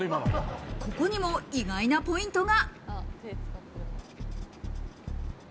ここにも意外なポイントが。